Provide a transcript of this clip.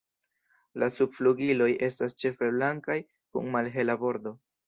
La subflugiloj estas ĉefe blankaj kun malhela bordo.